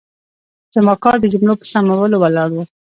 زما کار د جملو په سمولو ولاړ و.